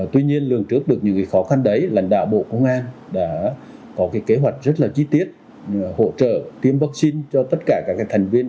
tuy nhiên lường trước được những khó khăn đấy lãnh đạo bộ công an đã có cái kế hoạch rất là chi tiết hỗ trợ tiêm vaccine cho tất cả các thành viên